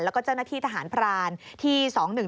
แล้วก็เจ้าหน้าที่ทหารพรานที่๒๑๒